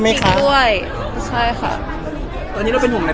พี่หนุ่มจะเจอกันตั้งแต่งหน้า